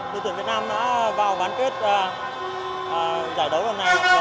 đội tuyển việt nam đã vào ván kết giải đấu hôm nay